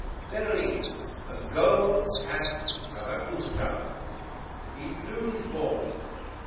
Verily, a goal had Zarathustra; he threw his ball.